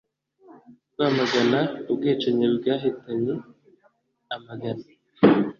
kwamaganaga ubwicanyi bwahitanye amagana